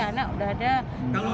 anak udah ada tiga